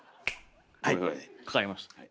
はいかかりました。